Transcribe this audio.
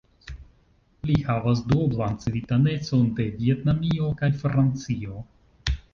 Li havas duoblan civitanecon de Vjetnamio kaj Francio.